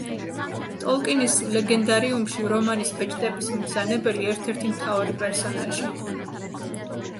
ტოლკინის ლეგენდარიუმში, რომანის „ბეჭდების მბრძანებელი“ ერთ-ერთი მთავარი პერსონაჟი.